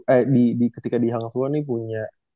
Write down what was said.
eee di ketika di hang tua nih punya